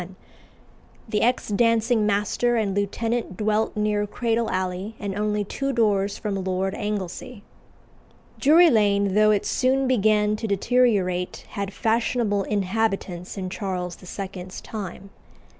The ex dancing master and lieutenant dwelt near Cradle Alley and only two doors from Lord Anglesey. Drury Lane, though it soon began to deteriorate, had fashionable inhabitants in Charles II.'s time.